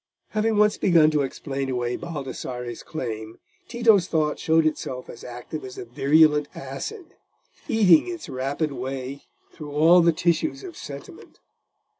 Having once begun to explain away Baldassarre's claim, Tito's thought showed itself as active as a virulent acid, eating its rapid way through all the tissues of sentiment.